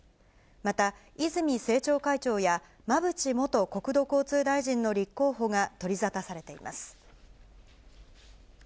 また、泉政調会長や馬淵元国土交通大臣の立候補が取り沙汰されています。